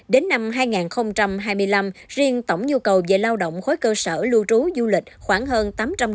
đến năm hai nghìn hai mươi năm riêng tổng nhu cầu về lao động khối cơ sở lưu trú du lịch khoảng hơn tám trăm linh